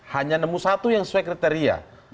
hanya nemu satu yang sesuai kriteria